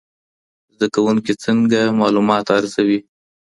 زده کوونکي څنګه معلومات ارزوي؟